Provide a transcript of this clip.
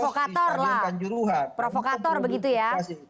provokator lah provokator begitu ya